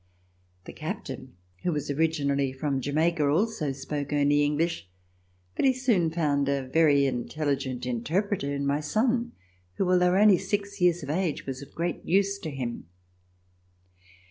The captain who was originally from Jamaica also spoke only English, but he soon found a very intelligent interpreter in my son who although only six years of age was of great use to him.